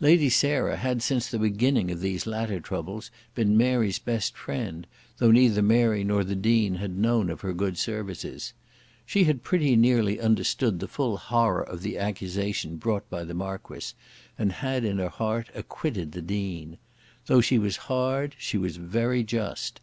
Lady Sarah had since the beginning of these latter troubles been Mary's best friend, though neither Mary nor the Dean had known of her good services. She had pretty nearly understood the full horror of the accusation brought by the Marquis, and had in her heart acquitted the Dean. Though she was hard she was very just.